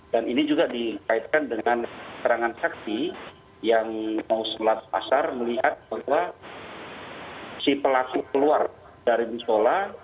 dan ini juga dikaitkan dengan serangan saksi yang musolat pasar melihat bahwa si pelaku keluar dari musola